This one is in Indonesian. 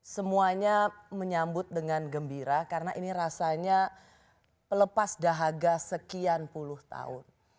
semuanya menyambut dengan gembira karena ini rasanya pelepas dahaga sekian puluh tahun